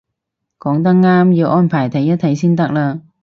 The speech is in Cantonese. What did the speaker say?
講得啱，要安排睇一睇先得嘞